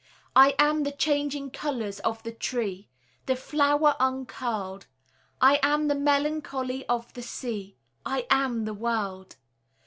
I am the changing colours of the tree; The flower uncurled: I am the melancholy of the sea; I am the world.